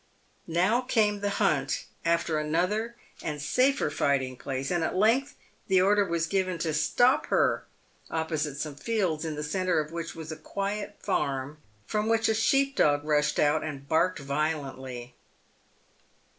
Now came the hunt after another and safer fighting place, and at length the order was given to " stop her" opposite some fields, in the centre of which was a quiet farm, from which a sheep dog rushed out and barked violently.